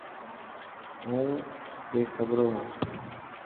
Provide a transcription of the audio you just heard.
هون بيصبرو هان.